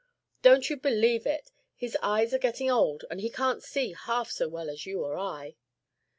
"Don't you believe it: his eyes are getting old and he can't see half so well as you or I."